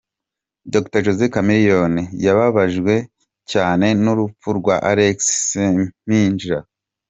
Dr Jose Chameleone yababajwe cyane n'urupfu rwa Alex Ssempijja.